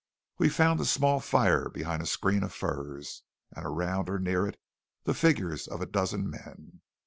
We found a small fire behind a screen of firs, and around or near it the figures of a dozen men.